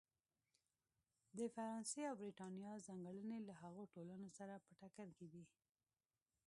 د فرانسې او برېټانیا ځانګړنې له هغو ټولنو سره په ټکر کې دي.